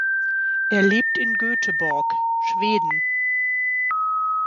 Er lebt in Göteborg, Schweden.